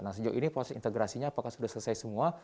nah sejauh ini proses integrasinya apakah sudah selesai semua